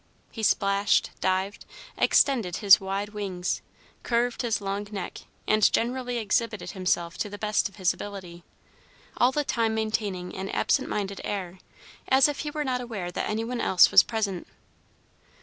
He splashed, dived, extended his wide wings, curved his long neck, and generally exhibited himself to the best of his ability, all the time maintaining an absent minded air, as if he were not aware that any one else was present.